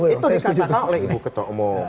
itu dikatakan oleh ibu ketua umum